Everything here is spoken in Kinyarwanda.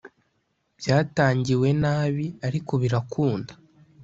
Byatangi wenabi ariko birakunda